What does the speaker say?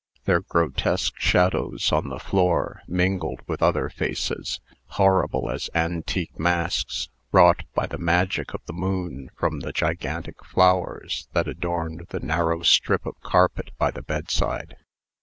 Their grotesque shadows on the floor mingled with other faces horrible as antique masks wrought by the magic of the moon from the gigantic flowers that adorned the narrow strip of carpet by the bedside.